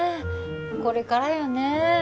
これからよね